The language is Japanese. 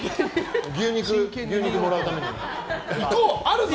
牛肉もらうために。